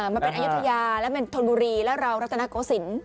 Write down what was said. มันเป็นอายุทยาและมันธนบุรีและเรารักษณะโกศิลป์